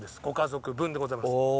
ご家族分でございます。